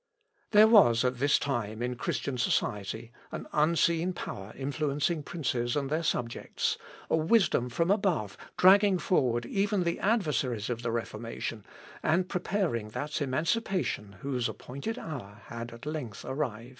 " There was, at this time, in Christian society, an unseen power influencing princes and their subjects, a wisdom from above dragging forward even the adversaries of the Reformation, and preparing that emancipation whose appointed hour had at length arrived.